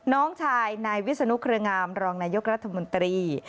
น้องชายนายวิศนุเครืองามรองนายกรัฐมนตรี